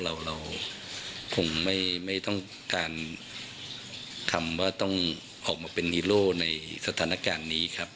เราคงไม่ต้องการคำว่าต้องออกมาเป็นฮีโร่ในสถานการณ์นี้ครับ